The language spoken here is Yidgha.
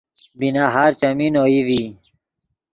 بی نہار چیمین اوئی ڤی